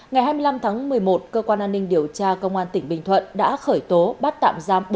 ngày hai mươi năm tháng một mươi một cơ quan an ninh điều tra công an tỉnh bình thuận đã khởi tố bắt tạm giam